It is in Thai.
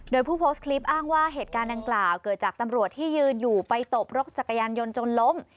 โดยผู้โพสต์คลิปอ้างว่าเหตุการณ์ดังกล่าวเกิดจากตำรวจที่ยืนอยู่ไปตบรถจักรยานยนต์จนล้ม